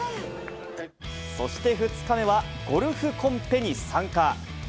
そして２日目は、ゴルフコンペに参加。